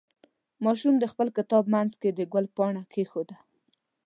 ماشوم د خپل کتاب منځ کې د ګل پاڼه کېښوده.